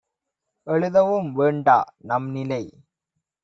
எழுதவும் வேண்டா - நம்நிலை